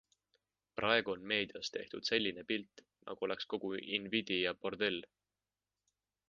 Praegu on meedias tehtud selline pilt, nagu oleks kogu Invidia bordell.